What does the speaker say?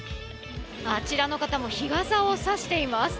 あちらの方も日傘を差しています。